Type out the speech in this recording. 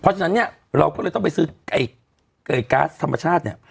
เพราะฉะนั้นเนี่ยเราก็เลยต้องไปซื้อไอ้ก๊าซธรรมชาติเนี่ย